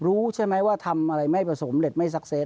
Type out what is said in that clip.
รู้ใช่ไหมว่าทำอะไรไม่ผสมเร็จไม่ซักเซต